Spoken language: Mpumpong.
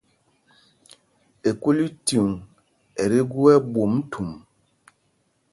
Ekúlícuŋ ɛ tí gú ɛ́ɓwôm thûm.